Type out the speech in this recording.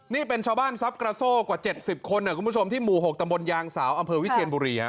นี่เป็นชาวบ้านทรัพย์กระโซ่กว่า๗๐คนคุณผู้ชมที่หมู่๖ตำบลยางสาวอำเภอวิเชียนบุรี